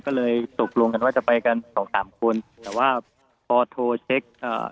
ก็เลยตกลงกันว่าจะไปกันสองสามคนแต่ว่าพอโทรเช็คอ่า